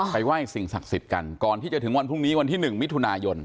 ไหว้สิ่งศักดิ์สิทธิ์กันก่อนที่จะถึงวันพรุ่งนี้วันที่๑มิถุนายน